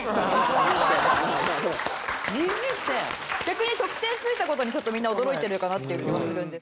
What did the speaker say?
逆に得点ついた事にちょっとみんな驚いてるかなっていう気はする。